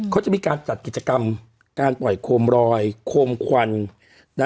เขาจะมีการจัดกิจกรรมการปล่อยโคมรอยโคมควัน